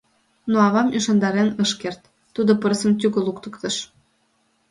Но авам ӱшандарен ыш керт, тудо пырысым тӱгӧ луктыктыш.